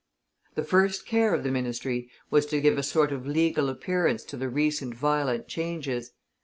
The first care of the ministry was to give a sort of legal appearance to the recent violent changes.